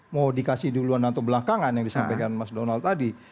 mau dikasih duluan atau belakangan yang disampaikan mas donald tadi